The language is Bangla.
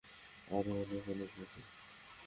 আরো অনেক অনেক বাকি!